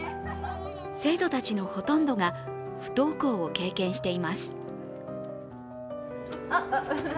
生徒たちのほとんどが不登校を経験しています。